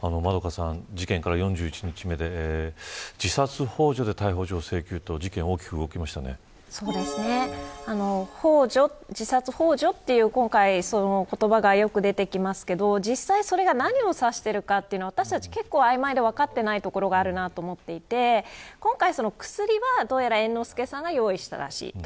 事件から４１日目で自殺ほう助で逮捕状請求と自殺ほう助という言葉が今回よく出てきますがそれが実際、何を指しているか私たちは結構、曖昧で分かっていないところがあると思っていて薬は、どうやら猿之助さんが用意したらしいと。